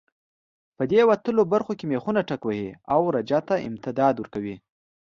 په دې وتلو برخو کې مېخونه ټکوهي او رجه ته امتداد ورکوي.